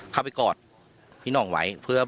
ตำรวจอีกหลายคนก็หนีออกจุดเกิดเหตุทันที